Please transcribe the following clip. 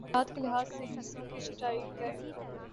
اعداد کے لحاظ سے ہندسوں کی چھٹائی کریں